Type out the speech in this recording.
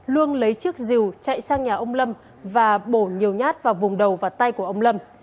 luông lấy chiếc dìu chạy sang nhà ông lâm và đổ nhiều nhát vào vùng đầu và tay của ông lâm